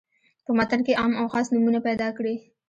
په متن کې عام او خاص نومونه پیداکړي.